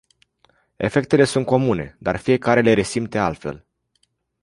Efectele sunt comune, dar fiecare le resimte altfel.